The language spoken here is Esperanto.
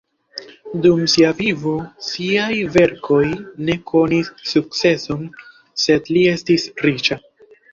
Dum sia vivo siaj verkoj ne konis sukceson sed li estis riĉa.